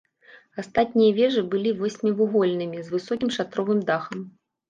Астатнія вежы былі васьмівугольнымі, з высокім шатровым дахам.